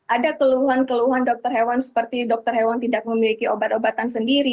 ada keluhan keluhan dokter hewan seperti dokter hewan tidak memiliki obat obatan sendiri